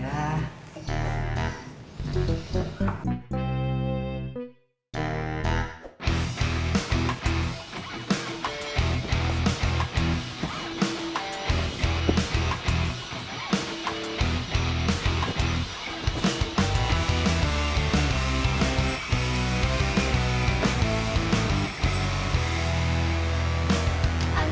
gak usah nanya